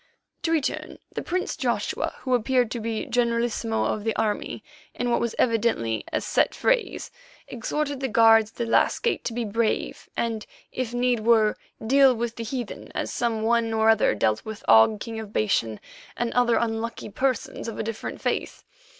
To return, the prince Joshua, who appeared to be generalissimo of the army, in what was evidently a set phrase, exhorted the guards at the last gates to be brave and, if need were, deal with the heathen as some one or other dealt with Og, King of Bashan, and other unlucky persons of a different faith.